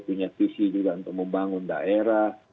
punya visi juga untuk membangun daerah